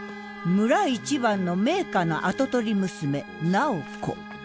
村一番の名家の跡取り娘楠宝子。